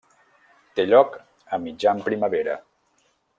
Té lloc a mitjan primavera.